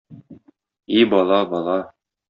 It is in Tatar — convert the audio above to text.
И бала, бала...